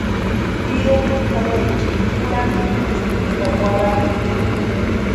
Pirekwa pʼorhecheri kurhantikwaesti ka warhakwa.